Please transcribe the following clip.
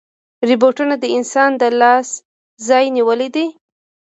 روبوټونه د انسان د لاس ځای نیولی دی.